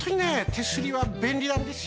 手すりはべんりなんですよ。